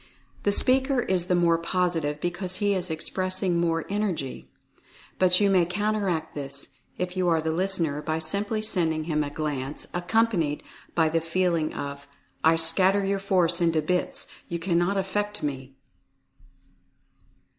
The speaker is the more positive because he is expressing more Energy. But you may counteract this, if you are the listener, by simply sending him a glance, accompanied by the 232 Mental Fascination Feeling of '7 scatter your Force into bits — you cannot affect ME!"